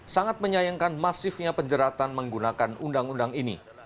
sangat menyayangkan masifnya penjeratan menggunakan undang undang ini